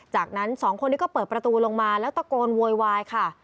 จากนั้นสองคนนี้ก็เปิดประตูลงมาแล้วตะโกนโวยวายค่ะ